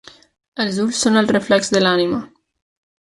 Els ulls són el reflex de l'ànima.